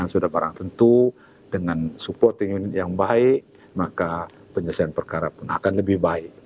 sudah barang tentu dengan supporting unit yang baik maka penyelesaian perkara pun akan lebih baik